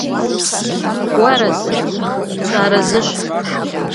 - Уарэзы? - Сыарэзыщ, -.